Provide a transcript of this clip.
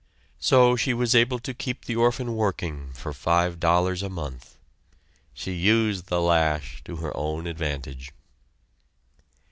So she was able to keep the orphan working for five dollars a month. She used the lash to her own advantage.